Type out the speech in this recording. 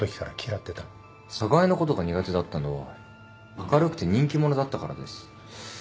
寒河江のことが苦手だったのは明るくて人気者だったからです。